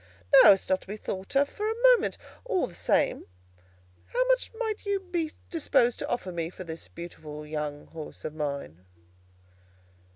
No, it's not to be thought of for a moment. All the same, how much might you be disposed to offer me for this beautiful young horse of mine?"